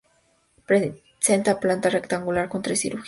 Presenta planta rectangular con tres crujías.